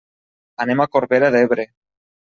Anem a Corbera d'Ebre.